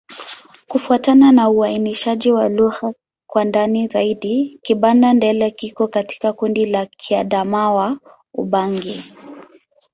Kufuatana na uainishaji wa lugha kwa ndani zaidi, Kibanda-Ndele iko katika kundi la Kiadamawa-Ubangi.